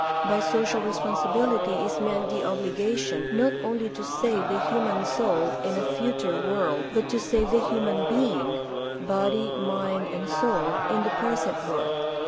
By social responsibility is meant the obligation, not only to save the human soul in a future world, but to save the human being — body, mind, and soul — in the present world.